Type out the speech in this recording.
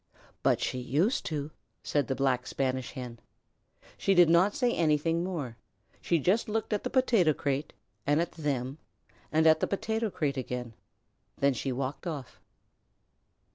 "But she used to," said the Black Spanish Hen. She did not say anything more. She just looked at the potato crate and at them and at the potato crate again. Then she walked off.